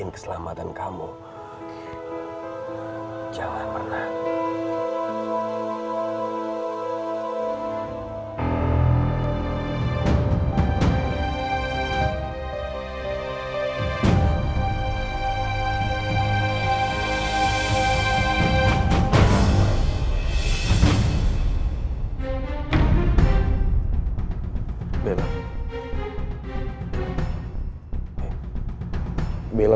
bela bangun bela